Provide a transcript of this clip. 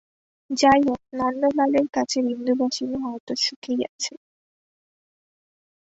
যাই হোক, নন্দলালের কাছে বিন্দুবাসিনী হয়তো সুখেই আছে।